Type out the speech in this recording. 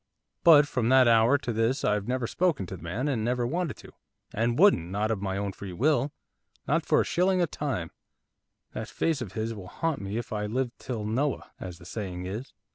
But from that hour to this I've never spoken to the man, and never wanted to, and wouldn't, not of my own free will, not for a shilling a time, that face of his will haunt me if I live till Noah, as the saying is.